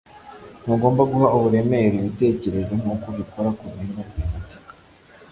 ntugomba guha uburemere ibitekerezo nkuko ubikora kubintu bifatika